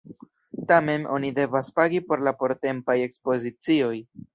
Tamen oni devas pagi por la portempaj ekspozicioj.